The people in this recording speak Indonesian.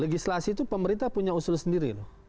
legislasi itu pemerintah punya usul sendiri loh